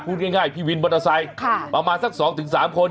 พูดง่ายพี่วินมอเตอร์ไซค์ประมาณสัก๒๓คน